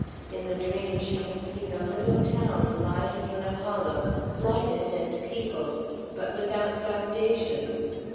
In the dream she had seen a little town lying in a hollow, lighted and peopled, but without foundation.